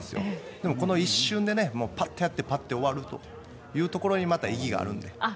でも、この一瞬でパッとやってパッと終わるというところにまた意義があるんで。